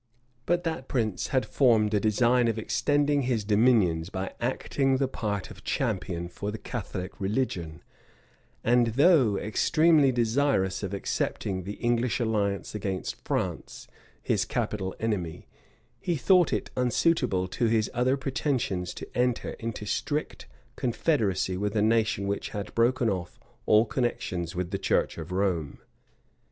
But that prince had formed a design of extending his dominions by acting the part of champion for the Catholic religion; and though extremely desirous of accepting the English alliance against France, his capital enemy, he thought it unsuitable to his other pretensions to enter into strict confederacy with a nation which had broken off all connections with the church of Rome.